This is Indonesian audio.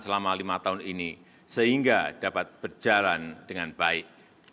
selama lima tahun ini sehingga dapat berjalan dengan baik